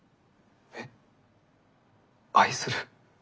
えっ愛する？